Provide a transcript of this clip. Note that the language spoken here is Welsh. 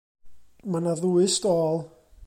Mae 'na ddwy stôl.